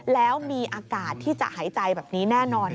แล้วมีอากาศที่จะหายใจแบบนี้แน่นอน